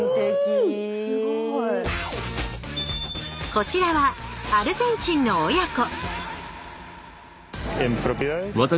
こちらはアルゼンチンの親子